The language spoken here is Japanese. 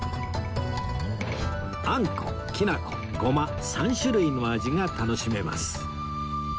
あんこきなこごま３種類の味が楽しめます